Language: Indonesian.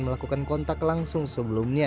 melakukan kontak langsung sebelumnya